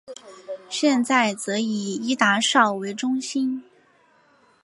现在则以伊达邵为中心。